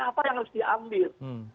apa yang harus diambil